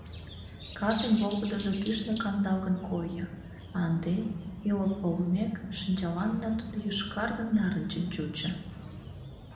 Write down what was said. Касын волгыдыжо кӱшнӧ кандалгын койо, а ынде, ӱлык волымек, шинчаланна тудо йошкаргын-нарынчын чучо.